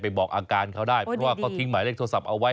บอกอาการเขาได้เพราะว่าเขาทิ้งหมายเลขโทรศัพท์เอาไว้